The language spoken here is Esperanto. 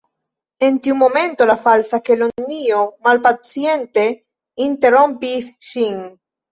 En tiu momento la Falsa Kelonio malpacience interrompis ŝin.